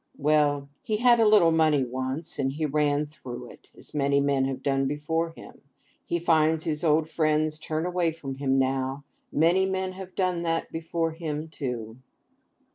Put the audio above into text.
Well! He had a little money once, and he ran through it—as many men have done before him. He finds his old friends turn away from him now—many men have done that before him too!